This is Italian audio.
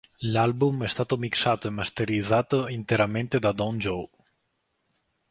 L'album è stato mixato e masterizzato interamente da Don Joe.